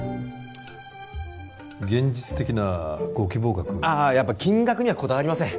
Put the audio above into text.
現実的なご希望額やっぱ金額にはこだわりません